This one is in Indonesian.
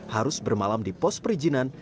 harus bermalam di pos perizinan